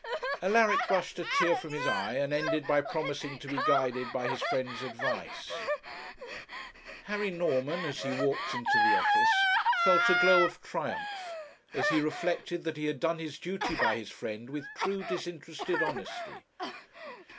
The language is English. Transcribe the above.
Alaric brushed a tear from his eye, and ended by promising to be guided by his friend's advice. Harry Norman, as he walked into the office, felt a glow of triumph as he reflected that he had done his duty by his friend with true disinterested honesty.